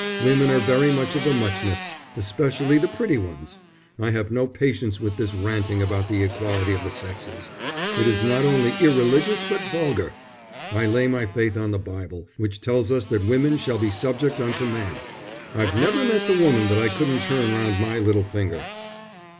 Women are very much of a muchness, especially the pretty ones. I have no patience with this ranting about the equality of the sexes. It is not only irreligious but vulgar. I lay my faith on the Bible, which tells us that women shall be subject unto man. I've never met the woman that I couldn't turn round my little finger."